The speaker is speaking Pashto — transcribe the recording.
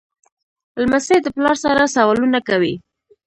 لمسی د پلار سره سوالونه کوي.